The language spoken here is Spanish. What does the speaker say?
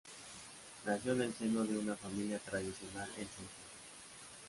Nació en el seno de una familia tradicional en Sonsón.